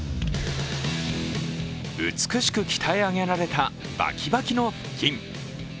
美しく鍛え上げられたバキバキの腹筋。